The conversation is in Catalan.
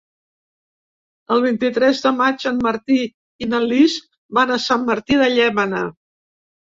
El vint-i-tres de maig en Martí i na Lis van a Sant Martí de Llémena.